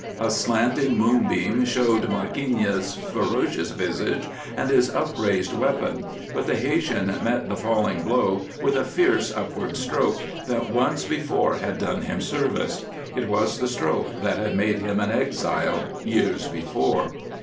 A slanting moonbeam showed Markeeña's ferocious visage and his upraised weapon, but the Haytian met the falling blow with a fierce upward stroke that once before had done him service. It was the stroke that had made him an exile years before.